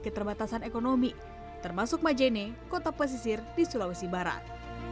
keterbatasan ekonomi termasuk majene kota pesisir di sulawesi barat